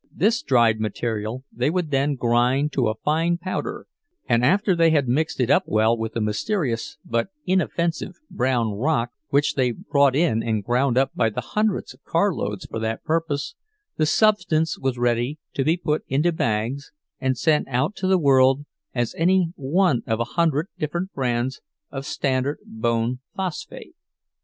This dried material they would then grind to a fine powder, and after they had mixed it up well with a mysterious but inoffensive brown rock which they brought in and ground up by the hundreds of carloads for that purpose, the substance was ready to be put into bags and sent out to the world as any one of a hundred different brands of standard bone phosphate.